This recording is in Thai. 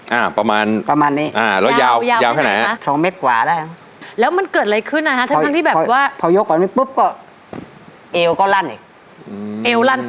ฮะประมาณประมาณนี้ฮะถ้าเฉินไปไหนฮะยาวยาวเท่านั้น